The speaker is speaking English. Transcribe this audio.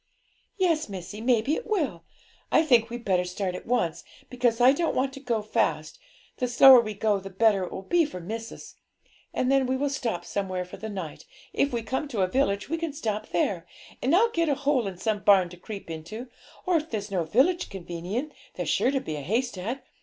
'Yes, missie, maybe it will. I think we'd better start at once, because I don't want to go fast; the slower we go the better it will be for missis; and then we will stop somewhere for the night; if we come to a village, we can stop there, and I'll get a hole in some barn to creep into, or if there's no village convenient, there's sure to be a haystack.